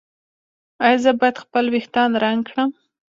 ایا زه باید خپل ویښتان رنګ کړم؟